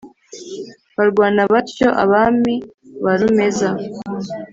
barwana batyo abami ba rumeza